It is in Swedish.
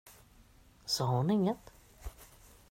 Sa hon inget?